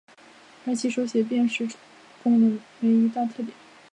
而其手写辨识功能为一大特点。